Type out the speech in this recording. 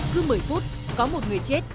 cứ một mươi phút có một người chết